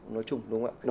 nói chung đúng không ạ